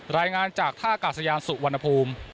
รายงานจากท่ากาศยานสุวรรณภูมิ